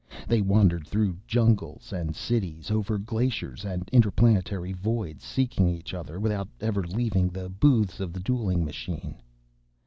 They wandered through jungles and cities, over glaciers and interplanetary voids, seeking each other—without ever leaving the booths of the dueling machine.